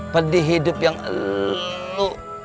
pedih hidup yang elu